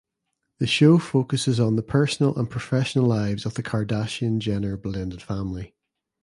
The show focuses on the personal and professional lives of the Kardashian–Jenner blended family.